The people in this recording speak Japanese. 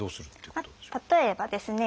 例えばですね